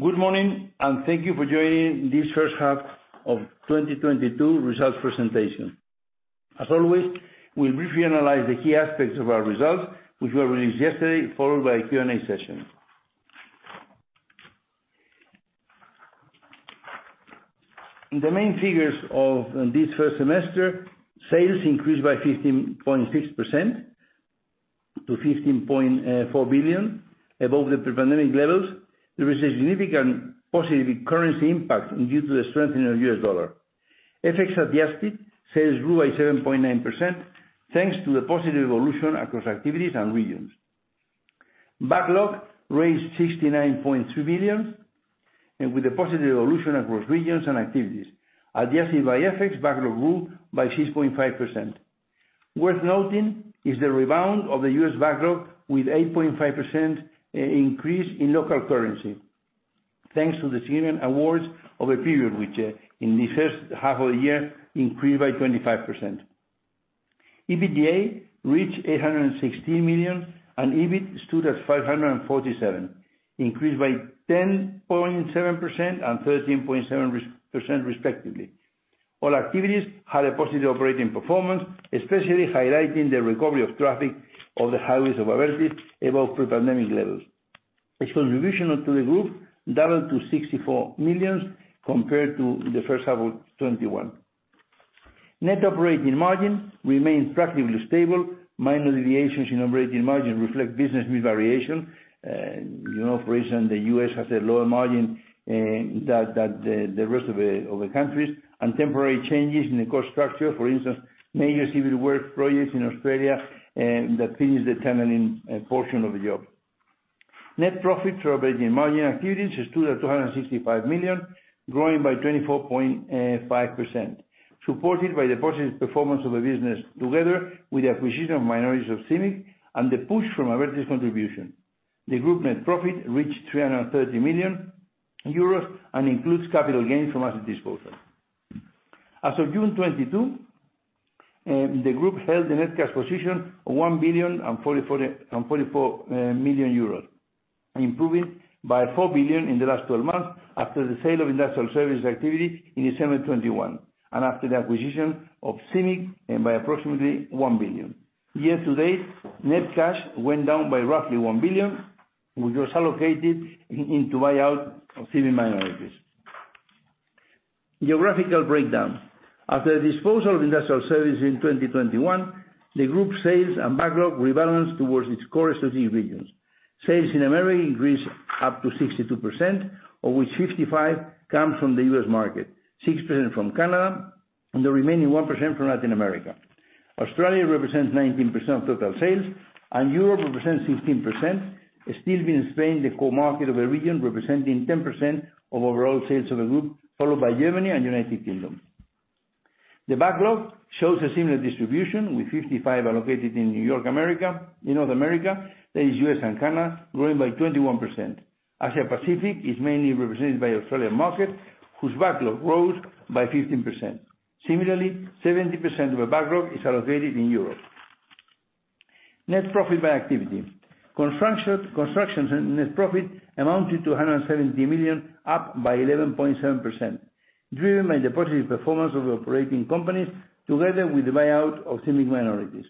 Good morning, and thank you for joining this first half of 2022 results presentation. As always, we'll briefly analyze the key aspects of our results, which were released yesterday, followed by a Q&A session. The main figures of this first semester, sales increased by 15.6% to 15.4 billion, above the pre-pandemic levels. There is a significant positive currency impact due to the strengthening of US dollar. FX-adjusted sales grew by 7.9%, thanks to the positive evolution across activities and regions. Backlog reached EUR 69.2 billion, with a positive evolution across regions and activities. Adjusted by FX, backlog grew by 6.5%. Worth noting is the rebound of the U.S. backlog with 8.5% increase in local currency, thanks to the significant awards over a period which in the first half of the year increased by 25%. EBITDA reached 816 million, and EBIT stood at 547 million, increased by 10.7% and 13.7% respectively. All activities had a positive operating performance, especially highlighting the recovery of traffic of the highways of availability above pre-pandemic levels. Its contribution to the group doubled to 64 million compared to the first half of 2021. Net operating margin remains practically stable. Minor deviations in operating margin reflect business mix variation. You know, for some reason, the US has a lower margin than the rest of the countries, and temporary changes in the cost structure, for instance, major civil work projects in Australia, and that finished the EUR 10 million portion of the job. Net profit from operating margin activities stood at 265 million, growing by 24.5%, supported by the positive performance of the business together with the acquisition of minorities of CIMIC and the push from Arval's contribution. The group net profit reached 330 million euros and includes capital gains from asset disposal. As of June 22, the group held a net cash position of 1.044 billion, improving by 4 billion in the last 12 months after the sale of Industrial Services activity in December 2021, and after the acquisition of CIMIC and by approximately 1 billion. Year-to-date, net cash went down by roughly 1 billion, which was allocated into buyout of CIMIC minorities. Geographical breakdown. After the disposal of Industrial Services in 2021, the group sales and backlog rebalanced towards its core associated regions. Sales in America increased up to 62%, of which 55% comes from the U.S. market, 6% from Canada, and the remaining 1% from Latin America. Australia represents 19% of total sales, and Europe represents 16%. It's still been Spain, the core market of the region, representing 10% of overall sales of the group, followed by Germany and United Kingdom. The backlog shows a similar distribution, with 55 allocated in North America, that is U.S. and Canada, growing by 21%. Asia Pacific is mainly represented by Australian market, whose backlog grows by 15%. Similarly, 70% of the backlog is allocated in Europe. Net profit by activity. Construction net profit amounted to 170 million, up by 11.7%, driven by the positive performance of the operating companies together with the buyout of CIMIC minorities.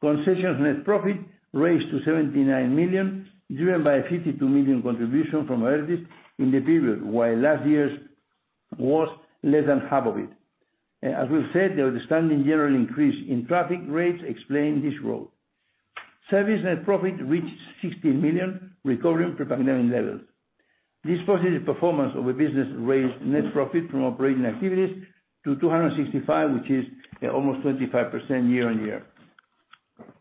Concessions net profit raised to 79 million, driven by a 52 million contribution from Arval in the period, while last year's was less than half of it. As we've said, the outstanding general increase in traffic rates explain this role. Service net profit reached 16 million, recovering pre-pandemic levels. This positive performance of the business raised net profit from operating activities to 265 million, which is almost 25% year-on-year.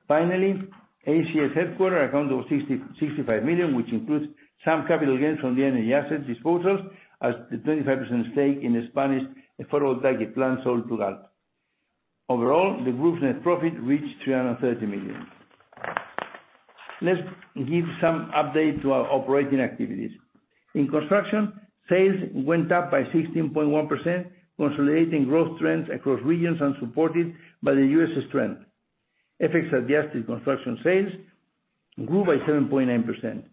Finally, ACS headquarters account of 65 million, which includes some capital gains from the energy asset disposals as the 25% stake in the Spanish photovoltaic plant sold to Galp. Overall, the group's net profit reached 330 million. Let's give some update to our operating activities. In construction, sales went up by 16.1%, consolidating growth trends across regions supported by the US's strength. FX-adjusted construction sales grew by 7.9%.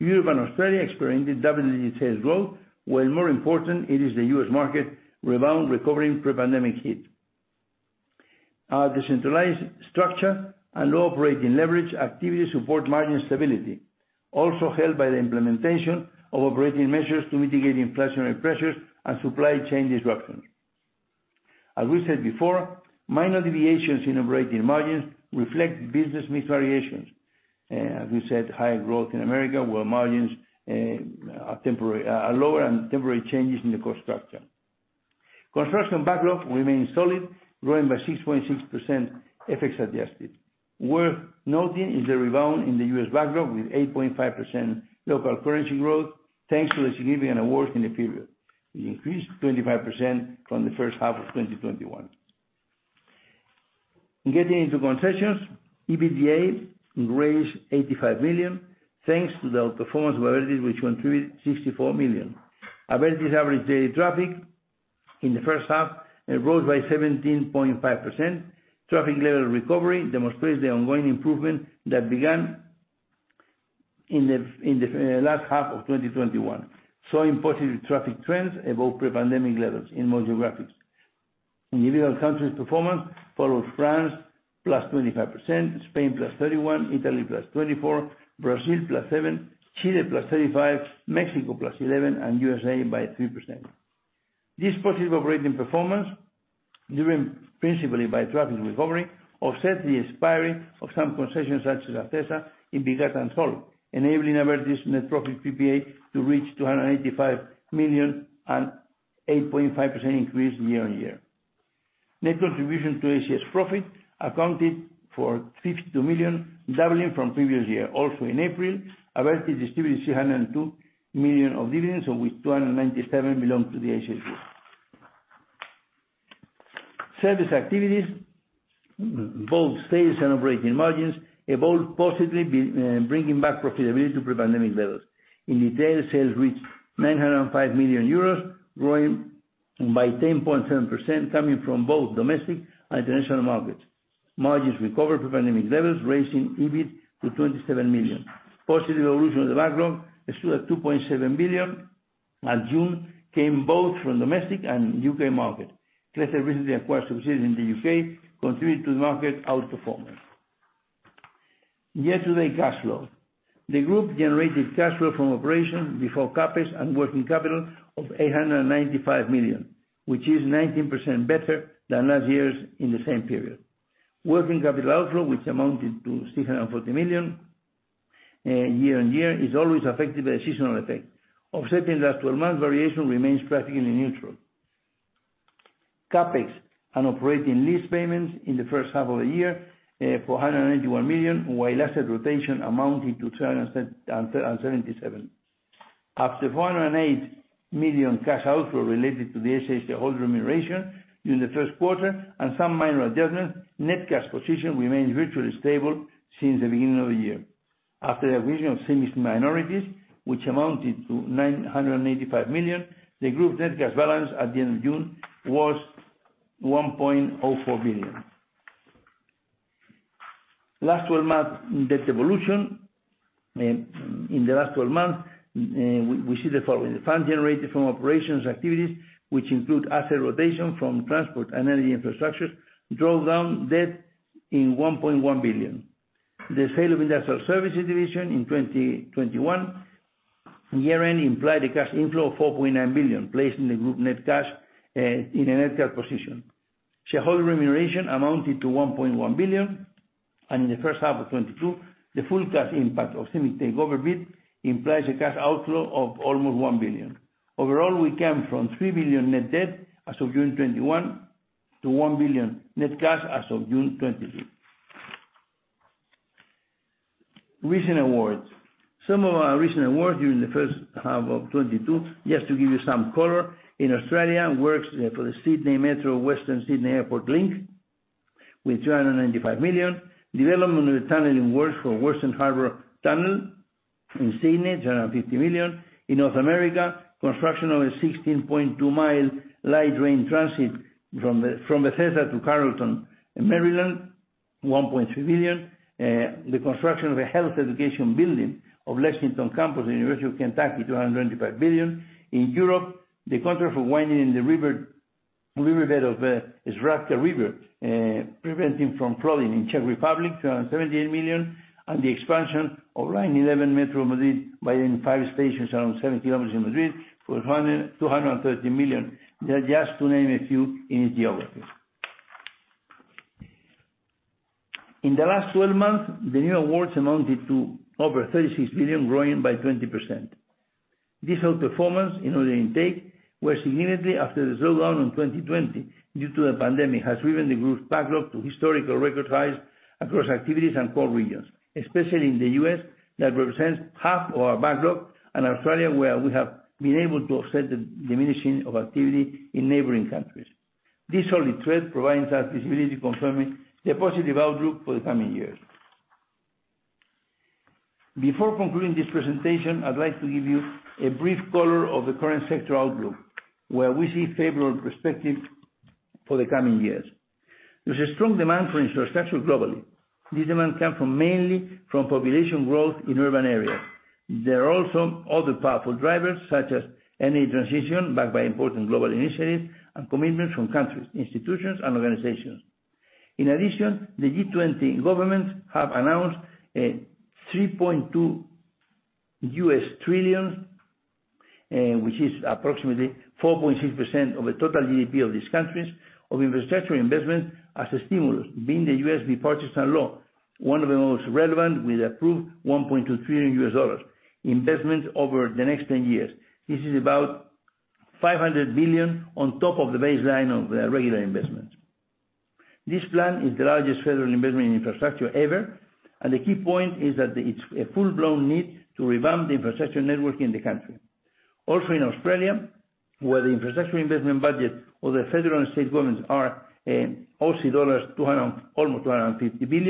Europe and Australia experienced double-digit sales growth, while more important, it is the US market rebound recovering pre-pandemic hit. Our decentralized structure and low operating leverage activities support margin stability, also helped by the implementation of operating measures to mitigate inflationary pressures and supply chain disruptions. As we said before, minor deviations in operating margins reflect business mix variations. As we said, higher growth in America, where margins are temporarily lower and temporary changes in the cost structure. Construction backlog remains solid, growing by 6.6% FX-adjusted. Worth noting is the rebound in the US backlog with 8.5% local currency growth, thanks to the significant awards in the period. It increased 25% from the first half of 2021. Getting into concessions, EBITDA raised 85 million, thanks to the outperformance of Abertis, which contributed 64 million. Abertis's average daily traffic. In the first half, it rose by 17.5%. Traffic level recovery demonstrates the ongoing improvement that began in the last half of 2021, showing positive traffic trends above pre-pandemic levels in most geographies. Individual countries performance followed France +25%, Spain +31%, Italy +24%, Brazil +7%, Chile +35%, Mexico +11%, and USA +3%. This positive operating performance, driven principally by traffic recovery, offset the expiry of some concessions such as Acesa, enabling Abertis net profit PPA to reach 285 million, an 8.5% increase year-on-year. Net contribution to ACS profit accounted for 52 million, doubling from previous year. Also in April, Abertis distributed 302 million of dividends, of which 297 million belong to the ACS Group. Service activities, both sales and operating margins, evolved positively, bringing back profitability to pre-pandemic levels. In detail, sales reached 905 million euros, growing by 10.7%, coming from both domestic and international markets. Margins recovered from pandemic levels, raising EBIT to 27 million. Positive evolution of the backlog stood at 2.7 billion, and growth came both from domestic and UK market. Recently acquired subsidiaries in the UK contributed to market outperformance. Year-to-date, the group generated cash flow from operations before CapEx and working capital of 895 million, which is 19% better than last year’s in the same period. Working capital outflow, which amounted to 640 million year-on-year, is always affected by seasonal effect. Offsetting the 12-month variation remains practically neutral. CapEx and operating lease payments in the first half of the year, 491 million, while asset rotation amounted to 277 million. After 408 million cash outflow related to the ACS shareholder remuneration in the first quarter and some minor adjustments, net cash position remains virtually stable since the beginning of the year. After the acquisition of CIMIC minorities, which amounted to 985 million, the group net cash balance at the end of June was 1.04 billion. Last 12-month debt evolution. In the last 12 months, we see the following, the funds generated from operations activities, which include asset rotation from transport and energy infrastructures, drove down debt in 1.1 billion. The sale of Industrial Services division in 2021 year-end implied a cash inflow of 4.9 billion, placing the group net cash in a net cash position. Shareholder remuneration amounted to 1.1 billion. In the first half of 2022, the full cash impact of CIMIC takeover bid implies a cash outflow of almost 1 billion. Overall, we came from 3 billion net debt as of June 2021 to 1 billion net cash as of June 2022. Recent awards. Some of our recent awards during the first half of 2022, just to give you some color, in Australia, works for the Sydney Metro Western Sydney Airport link with 295 million. Development of the tunneling works for Western Harbour Tunnel in Sydney, 250 million. In North America, construction of a 16.2-mile light rail transit from Bethesda to New Carrollton, Maryland, 1.3 billion. The construction of a health education building of Lexington campus, the University of Kentucky, 225 billion. In Europe, the contract for widening the riverbed of the Bečva River preventing from flooding in the Czech Republic, 278 million. The expansion of line eleven Metro de Madrid by adding five stations around 7 km in Madrid, 230 million. They're just to name a few in geography. In the last 12 months, the new awards amounted to over 36 billion, growing by 20%. This outperformance in order intake, which significantly after the slowdown in 2020 due to the pandemic, has driven the group's backlog to historical record highs across activities and core regions, especially in the U.S., that represents half of our backlog, and Australia, where we have been able to offset the diminishing of activity in neighboring countries. This solid trend provides us visibility confirming the positive outlook for the coming years. Before concluding this presentation, I'd like to give you a brief color of the current sector outlook, where we see favorable perspectives for the coming years. There's a strong demand for infrastructure globally. This demand comes mainly from population growth in urban areas. There are also other powerful drivers, such as energy transition, backed by important global initiatives and commitments from countries, institutions and organizations. In addition, the G20 governments have announced a $3.2 trillion, which is approximately 4.6% of the total GDP of these countries, of infrastructure investment as a stimulus, the U.S. Bipartisan Infrastructure Law being one of the most relevant, with approved $1.23 trillion in U.S. dollars investment over the next 10 years. This is about $500 billion on top of the baseline of the regular investments. This plan is the largest federal investment in infrastructure ever, and the key point is that it's a full-blown need to revamp the infrastructure network in the country. Also in Australia, where the infrastructure investment budget of the federal and state governments are almost 250 billion Aussie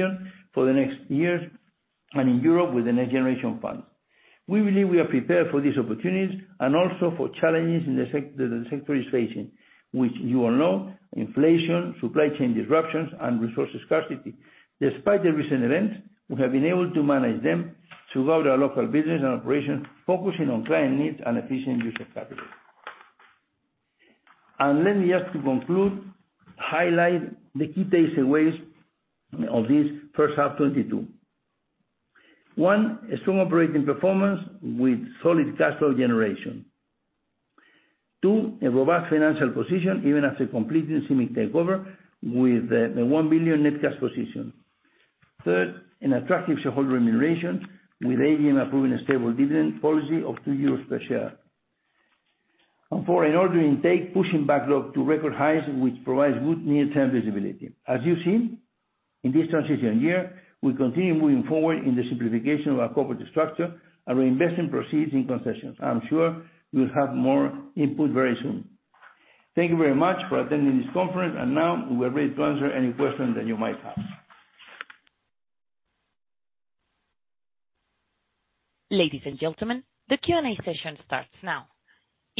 dollars for the next years, and in Europe with the Next Generation EU funds. We believe we are prepared for these opportunities and also for challenges in the sector is facing, which you all know, inflation, supply chain disruptions and resource scarcity. Despite the recent events, we have been able to manage them throughout our local business and operation, focusing on client needs and efficient use of capital. Let me ask to conclude, highlight the key takeaways of this first half 2022. One, a strong operating performance with solid cash flow generation. Two, a robust financial position, even after completing CIMIC takeover with the 1 billion net cash position. Third, an attractive shareholder remuneration with AGM approving a stable dividend policy of 2 euros per share. Four, an order intake pushing backlog to record highs, which provides good near-term visibility. As you've seen, in this transition year, we continue moving forward in the simplification of our corporate structure and reinvesting proceeds in concessions. I'm sure we'll have more input very soon. Thank you very much for attending this conference. Now we are ready to answer any questions that you might have. Ladies and gentlemen, the Q&A session starts now.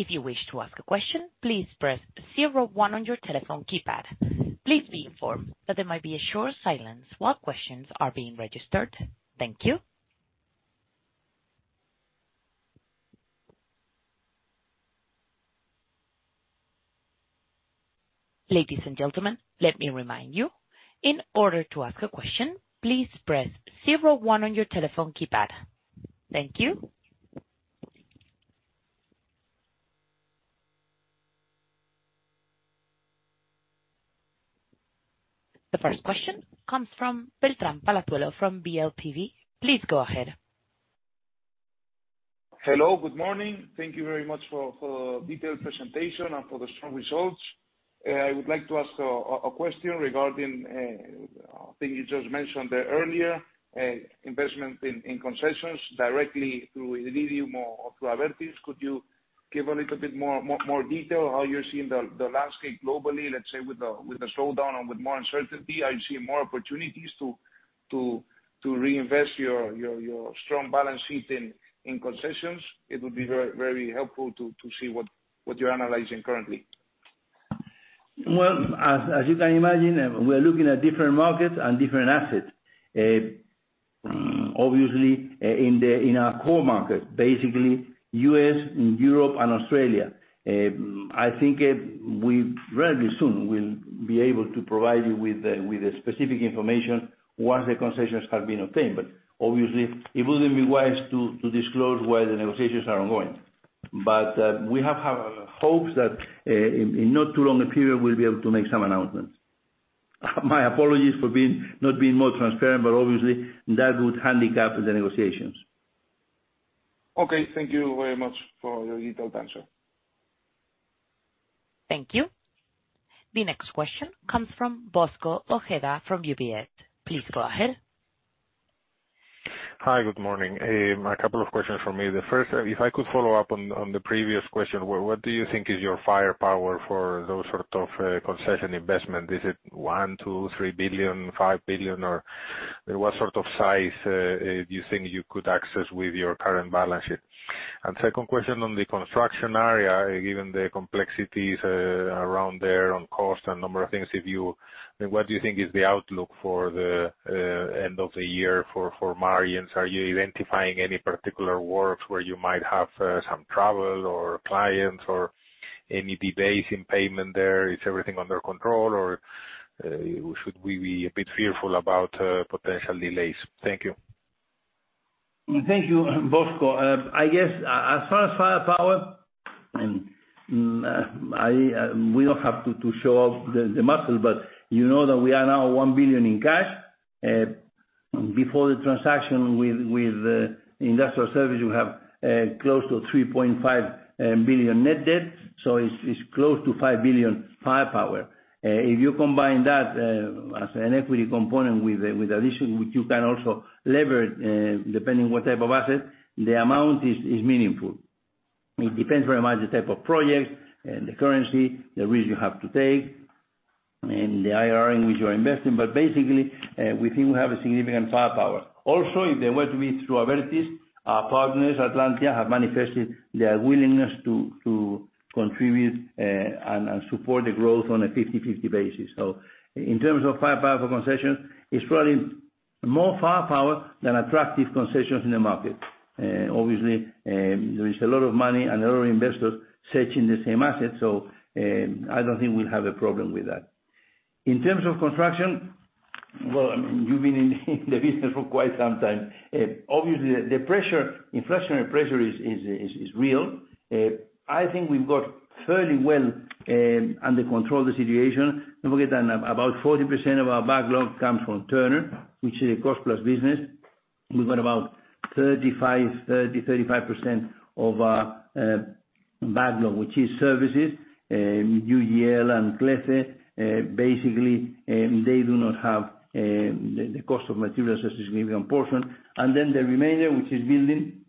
If you wish to ask a question, please press zero one on your telephone keypad. Please be informed that there might be a short silence while questions are being registered. Thank you. Ladies and gentlemen, let me remind you, in order to ask a question, please press zero one on your telephone keypad. Thank you. The first question comes from Beltrán Palazuelo from DLTV. Please go ahead. Hello. Good morning. Thank you very much for detailed presentation and for the strong results. I would like to ask a question regarding a thing you just mentioned there earlier, investment in concessions directly through Iridium or through Abertis. Could you give a little bit more detail how you're seeing the landscape globally, let's say, with the slowdown or with more uncertainty? Are you seeing more opportunities to reinvest your strong balance sheet in concessions? It would be very helpful to see what you're analyzing currently. Well, as you can imagine, we are looking at different markets and different assets. Obviously, in our core markets, basically U.S., Europe and Australia. I think very soon we'll be able to provide you with the specific information once the concessions have been obtained. Obviously it wouldn't be wise to disclose where the negotiations are ongoing. We have hopes that in not too long a period, we'll be able to make some announcements. My apologies for not being more transparent, but obviously that would handicap the negotiations. Okay. Thank you very much for your detailed answer. Thank you. The next question comes from Bosco Ojeda from UBS. Please go ahead. Hi. Good morning. A couple of questions from me. The first, if I could follow up on the previous question, what do you think is your firepower for those sort of concession investment? Is it 1 billion, 2 billion, 3 billion, 5 billion, or what sort of size do you think you could access with your current balance sheet? Second question on the construction area, given the complexities around there on cost and number of things. What do you think is the outlook for the end of the year for margins? Are you identifying any particular works where you might have some trouble, or clients or any delays in payment there? Is everything under control, or should we be a bit fearful about potential delays? Thank you. Thank you, Bosco. I guess as far as firepower, we don't have to show off the muscle, but you know that we are now 1 billion in cash. Before the transaction with Industrial Services, you have close to 3.5 billion net debt, so it's close to 5 billion firepower. If you combine that as an equity component with addition, which you can also lever depending what type of asset, the amount is meaningful. It depends very much on the type of project and the currency, the risk you have to take and the IRR in which you are investing. Basically, we think we have a significant firepower. If they were to be through Abertis, our partners, Atlantia, have manifested their willingness to contribute and support the growth on a 50/50 basis. In terms of firepower for concessions, it's probably more firepower than attractive concessions in the market. There is a lot of money and other investors searching the same assets. I don't think we'll have a problem with that. In terms of construction, you've been in the business for quite some time. The inflationary pressure is real. I think we've got the situation fairly well under control. Don't forget that about 40% of our backlog comes from Turner, which is a cost-plus business. We've got about 35% of our backlog, which is services, UGL and Clece. Basically, they do not have the cost of materials as a significant portion. The remainder, which is building,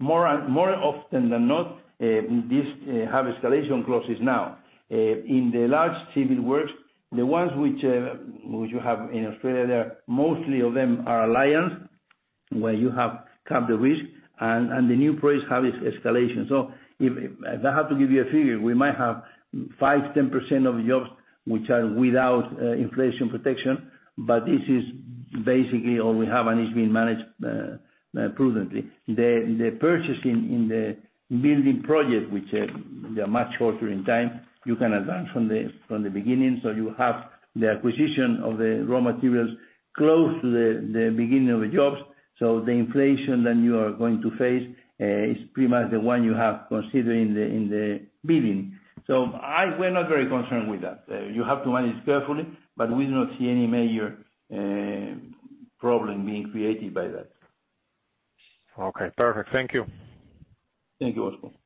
more often than not, this have escalation clauses now. In the large civil works, the ones which you have in Australia, they are mostly of them are alliance, where you have capped the risk and the new price has its escalation. If I'd have to give you a figure, we might have 5%-10% of jobs which are without inflation protection, but this is basically all we have, and it's being managed prudently. The purchasing in the building project, which they are much shorter in time, you can advance from the beginning, so you have the acquisition of the raw materials close to the beginning of the jobs. The inflation then you are going to face is pretty much the one you have considering the in the building. We're not very concerned with that. You have to manage carefully, but we do not see any major problem being created by that. Okay. Perfect. Thank you. Thank you, Bosco Ojeda.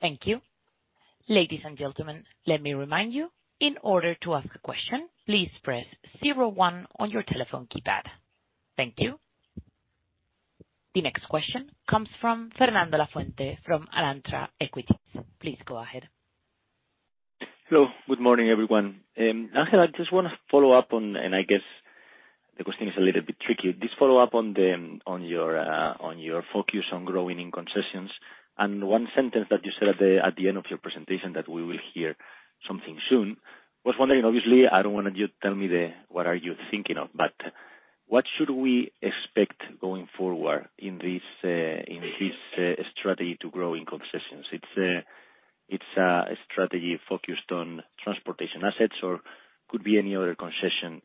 Thank you. Ladies and gentlemen, let me remind you, in order to ask a question, please press zero one on your telephone keypad. Thank you. The next question comes from Fernando Lafuente from Alantra Equities. Please go ahead. Hello. Good morning, everyone. Ángel, I just wanna follow up on, and I guess the question is a little bit tricky. Just follow up on your focus on growing in concessions. One sentence that you said at the end of your presentation that we will hear something soon. Was wondering, obviously, I don't want you to tell me the what are you thinking of, but what should we expect going forward in this strategy to grow in concessions? It's a strategy focused on transportation assets, or could be any other concession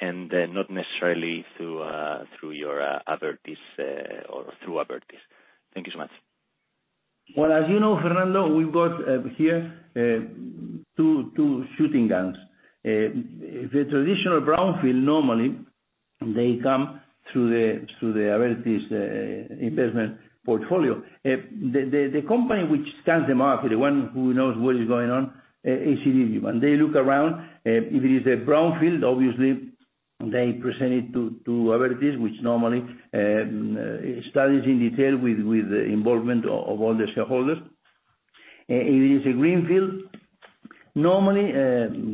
and not necessarily through your Abertis or through Abertis. Thank you so much. Well, as you know, Fernando, we've got here two shooting guns. The traditional brownfield normally they come through the Abertis investment portfolio. The company which scans the market, the one who knows what is going on, is Iridium. They look around. If it is a brownfield, obviously they present it to Abertis, which normally studies in detail with the involvement of all the shareholders. If it is a greenfield, normally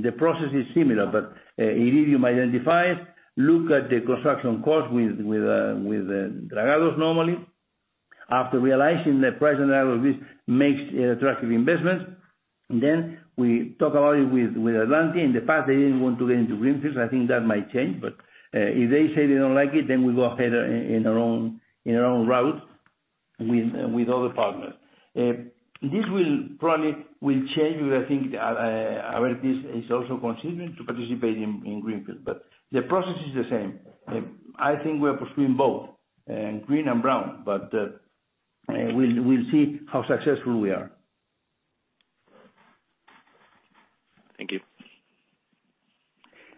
the process is similar, but Iridium identifies, look at the construction cost with Dragados normally. After realizing the price, and that obviously makes attractive investments, then we talk about it with Atlantia. In the past, they didn't want to get into greenfields. I think that might change. If they say they don't like it, then we go ahead in our own route with other partners. This will probably change. I think Abertis is also considering to participate in greenfield, but the process is the same. I think we are pursuing both green and brownfield. We'll see how successful we are. Thank you.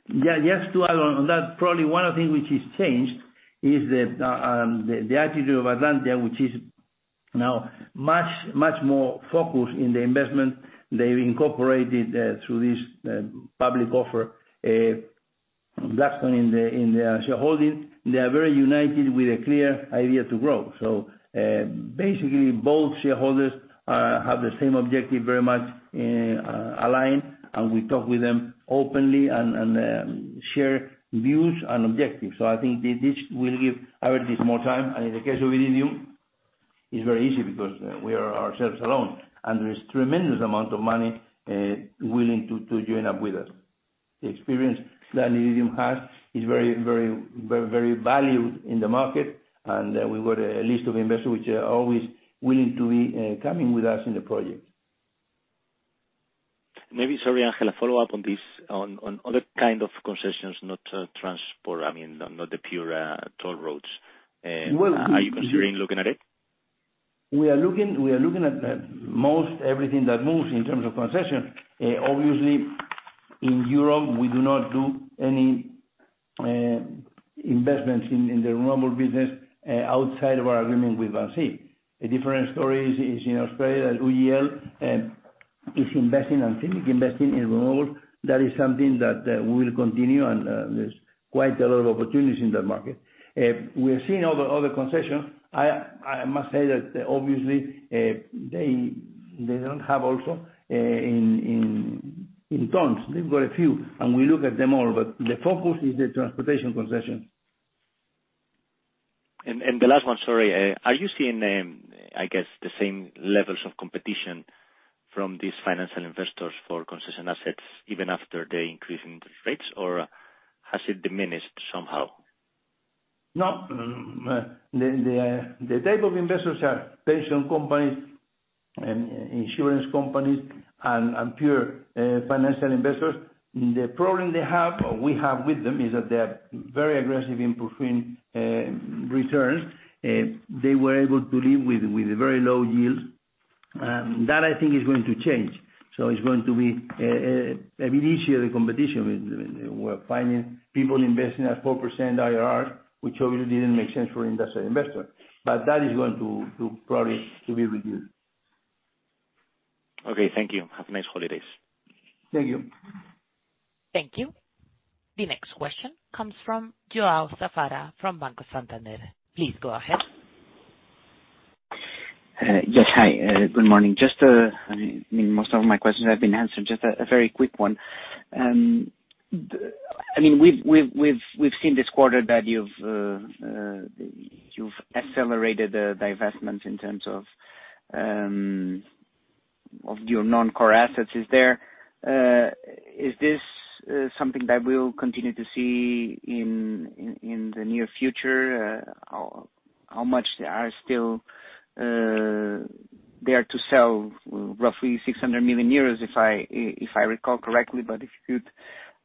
Yeah, just to add on that, probably one of the things which has changed is the attitude of Atlantia, which is now much more focused in the investment. They've incorporated through this public offer Blackstone in the shareholding. They are very united with a clear idea to grow. Basically, both shareholders have the same objective, very much aligned. We talk with them openly and share views and objectives. I think this will give Abertis more time. In the case of Iridium, it's very easy because we are ourselves alone, and there is a tremendous amount of money willing to join up with us. The experience that Iridium has is very valued in the market. We got a list of investors which are always willing to be coming with us in the project. Sorry, Angel. A follow-up on this. On other kind of concessions, not transport, I mean, not the pure toll roads. Well. Are you considering looking at it? We are looking at most everything that moves in terms of concession. Obviously, in Europe, we do not do any investments in the renewable business outside of our agreement with ACS. A different story is in Australia. UGL is investing in renewable. That is something that we will continue. There's quite a lot of opportunities in that market. We are seeing other concessions. I must say that obviously, they don't have also in tons. They've got a few, and we look at them all. The focus is the transportation concession. The last one, sorry. Are you seeing, I guess, the same levels of competition from these financial investors for concession assets even after the increase in interest rates, or has it diminished somehow? No. The type of investors are pension companies and insurance companies and pure financial investors. The problem they have, or we have with them, is that they are very aggressive in pursuing returns. They were able to live with very low yields. That I think is going to change. It's going to be a bit easier, the competition with. We're finding people investing at 4% IRRs, which obviously didn't make sense for industrial investor. That is going to probably be reduced. Okay. Thank you. Have a nice holidays. Thank you. Thank you. The next question comes from João Safara from Banco Santander. Please go ahead. Yes. Hi, good morning. I mean, most of my questions have been answered. Just a very quick one. I mean, we've seen this quarter that you've accelerated the divestment in terms of your non-core assets. Is this something that we'll continue to see in the near future? How much are still there to sell? Roughly 600 million euros, if I recall correctly. But if you could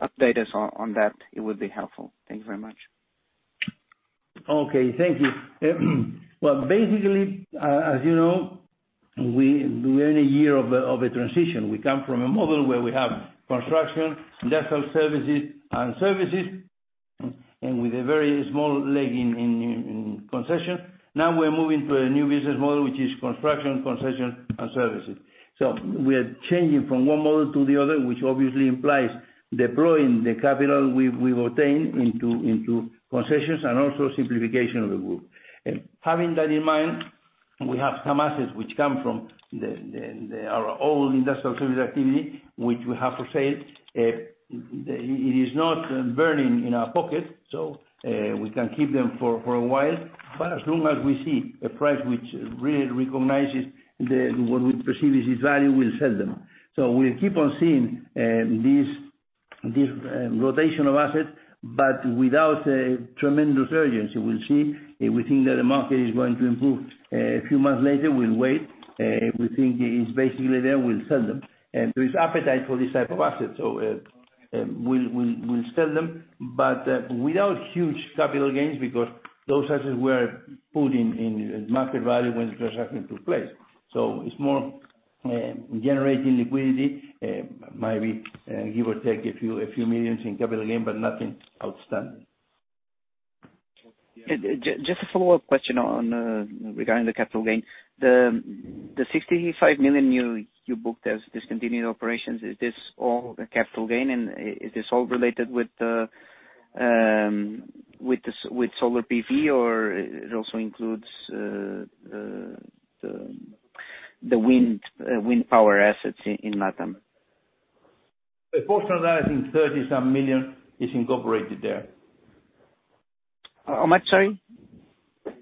update us on that, it would be helpful. Thank you very much. Okay. Thank you. Well, basically, as you know, we're in a year of a transition. We come from a model where we have construction, Industrial Services, and services, and with a very small leg in concessions. Now we're moving to a new business model, which is construction, concession, and services. We are changing from one model to the other, which obviously implies deploying the capital we've obtained into concessions and also simplification of the group. Having that in mind, we have some assets which come from our old Industrial Services activity, which we have for sale. It is not burning in our pocket, so we can keep them for a while. As long as we see a price which really recognizes what we perceive is its value, we'll sell them. We'll keep on seeing this rotation of assets, but without a tremendous urgency. We'll see. If we think that the market is going to improve a few months later, we'll wait. If we think it is basically there, we'll sell them. There is appetite for this type of assets. We'll sell them, but without huge capital gains because those assets were put in market value when the transaction took place. It's more generating liquidity. Maybe give or take a few million EUR in capital gain, but nothing outstanding. Just a follow-up question regarding the capital gain. The 65 million you booked as discontinued operations, is this all a capital gain? Is this all related with solar PV, or it also includes the wind power assets in LatAm? The portion of that, I think 30-some million is incorporated there. How much, sorry? 30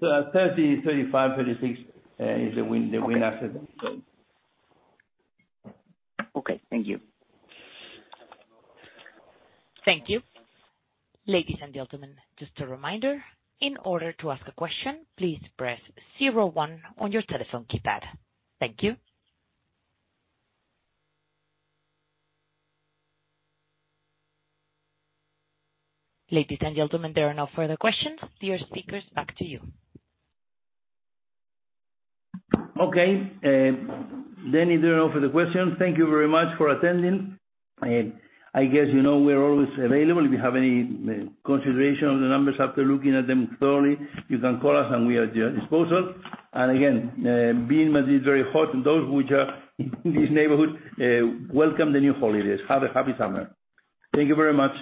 million, 35 million, 36 million is the wind asset. Okay. Thank you. Thank you. Ladies and gentlemen, just a reminder, in order to ask a question, please press zero one on your telephone keypad. Thank you. Ladies and gentlemen, there are no further questions. Dear speakers, back to you. Okay. If there are no further questions, thank you very much for attending. I guess you know we're always available. If you have any consideration on the numbers after looking at them thoroughly, you can call us, and we are at your disposal. Again, being that it's very hot, and those of you who are in this neighborhood, welcome the new holidays. Have a happy summer. Thank you very much.